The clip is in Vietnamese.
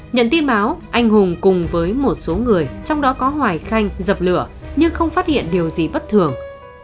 nhận tin báo anh hùng cùng với một số người trong đó có hoài khanh dập lửa nhưng không phát hiện điều gì bất thường